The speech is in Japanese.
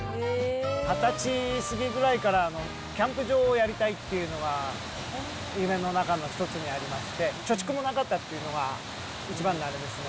２０歳過ぎぐらいから、キャンプ場をやりたいっていうのは、夢の中の一つにありまして、貯蓄もなかったっていうのが一番のあれですね。